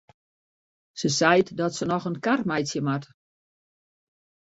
Se seit dat se noch in kar meitsje moat.